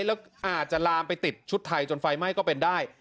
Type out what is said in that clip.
แล้วอาจจะลามไปติดชุดไทยจนไฟไหม้ก็เป็นได้